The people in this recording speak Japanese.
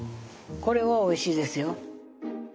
これはおいしいですよ。